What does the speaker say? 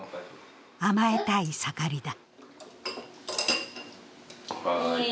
甘えたい盛りだ。